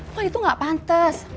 lo itu gak pantes